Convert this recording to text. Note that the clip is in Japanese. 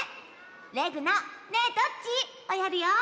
レグの「ねえどっち？」をやるよ。